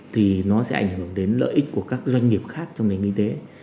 thì nó sẽ ảnh hưởng đến lợi ích của các doanh nghiệp khác trong nền kinh tế